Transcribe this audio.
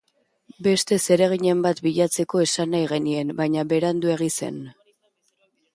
Beste zereginen bat bilatzeko esan nahi genien, baina Beranduegi zen.